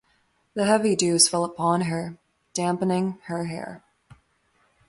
The heavy dews fell upon her, dampening her hair.